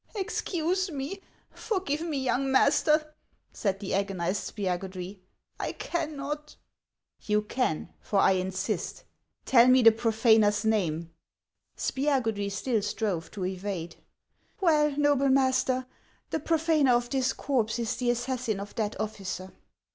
" Excuse me ; forgive me, young master !" said the agonized Spiagudry. " I cannot." " You can, for I insist. Tell me the profaner's name !" Spiagudry still strove to evade. " Well, noble master, the profaiier of this corpse is the assassin of that officer."